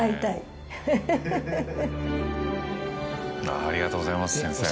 ありがとうございます先生。